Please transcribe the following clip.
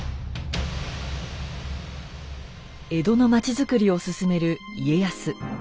江戸の町づくりを進める家康。